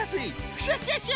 クシャシャシャ！